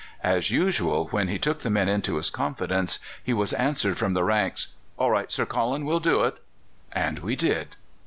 "As usual, when he took the men into his confidence, he was answered from the ranks: 'All right, Sir Colin, we'll do it.' And we did."